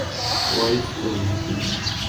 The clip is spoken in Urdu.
Swiss German